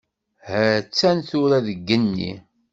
Ha-tt-an tura deg yigenni.